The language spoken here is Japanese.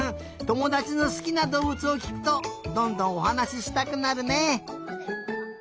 ともだちのすきなどうぶつをきくとどんどんおはなししたくなるね！